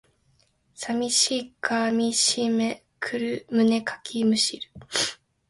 寂しさかみしめ胸かきむしる